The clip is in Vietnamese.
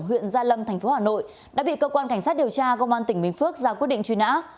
huyện gia lâm thành phố hà nội đã bị cơ quan cảnh sát điều tra công an tỉnh bình phước ra quyết định truy nã